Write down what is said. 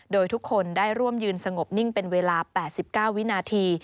โดยทุกคนได้ร่วมยืนสงบนิ่งเป็นเวลา๘๙วินาที